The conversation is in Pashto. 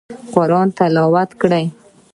قرآن تلاوت کړئ